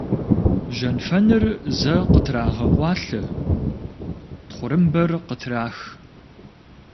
Жьэнфэныр зэ къытрагъэкъуалъэ, тхъурымбэр къытрах.